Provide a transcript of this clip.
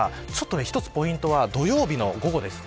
一つポイントは土曜日の午後です。